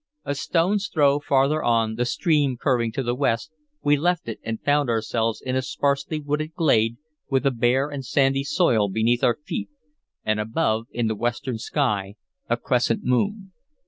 A stone's throw farther on, the stream curving to the west, we left it, and found ourselves in a sparsely wooded glade, with a bare and sandy soil beneath our feet, and above, in the western sky, a crescent moon.